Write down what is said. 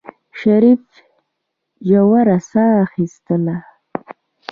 شريف ژوره سا اخېستله.